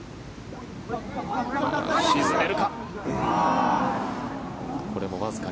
沈めるか。